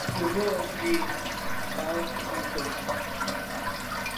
Mba be a’ ghù à ndùke.